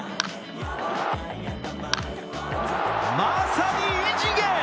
まさに異次元！